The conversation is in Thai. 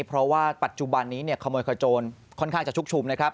เพราะว่าปัจจุบันนี้เนี่ยขโมยขโจรค่อนข้างจะชุกชุมนะครับ